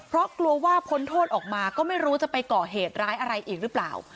เพราะกลัวว่าพ้นโทษออกมาก็ไม่รู้จะไปก่อเหตุร้ายอะไรอีกหรือเปล่า